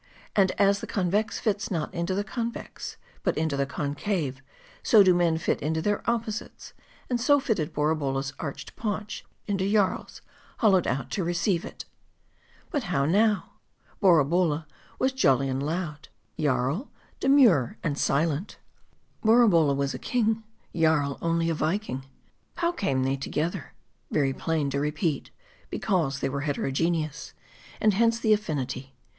And as the convex fits not into the convex, but into the concave ; so do men fit into their opposites ; and so fitted Borabolla's arched paunch into Jarl's, hollowed out to receive it. M A R D I. 337 But how now ? Borabolla was jolly and loud : Jarl demure and silent ; Borabolla a king : Jarl only a Viking ; how came they together ? Very plain, to repeat : be cause they were heterogeneous ; and hence the affinity.